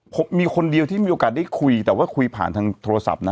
ผมมีคนเดียวที่มีโอกาสได้คุยแต่ว่าคุยผ่านทางโทรศัพท์นะ